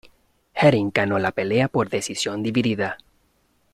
Herring ganó la pelea por decisión dividida.